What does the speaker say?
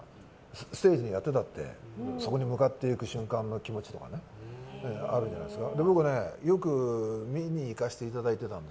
ステージでやってたってそこに向かう瞬間の気持ちというのがあるんじゃないですか。